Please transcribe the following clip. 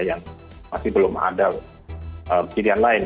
yang masih belum ada pilihan lain